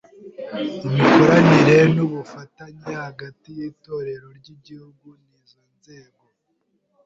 imikoranire n’ubufatanye hagati y’Itorero ry’Igihugu n’izo nzego,